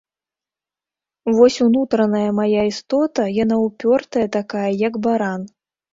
Вось унутраная мая істота яна ўпёртая такая, як баран.